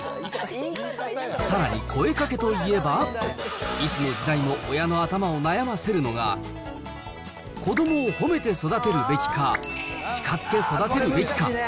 さらに、声かけといえば、いつの時代も親の頭を悩ませるのが、子どもを褒めて育てるべきか、叱って育てるべきか。